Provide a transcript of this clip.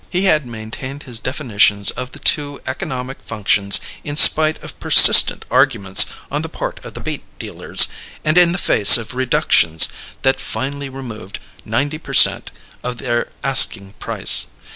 He had maintained his definitions of the two economic functions in spite of persistent arguments on the part of the bait dealers, and in the face of reductions that finally removed ninety per cent. of their asking price.